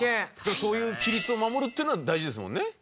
そういう規律を守るっていうのは大事ですもんね。